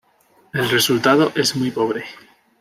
El resultado es muy pobre.